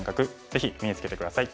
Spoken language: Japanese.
ぜひ身につけて下さい。